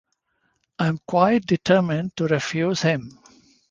I am quite determined to refuse him.